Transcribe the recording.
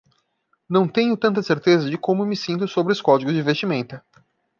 Não tenho tanta certeza de como me sinto sobre os códigos de vestimenta.